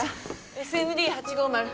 ＳＮＤ８５０